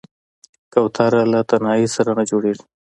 کوتره له تنهايي سره نه جوړېږي.